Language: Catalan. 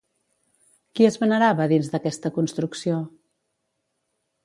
Qui es venerava dins d'aquesta construcció?